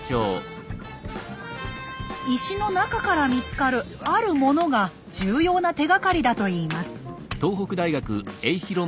石の中から見つかるあるものが重要な手がかりだといいます。